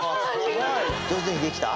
上手にできた？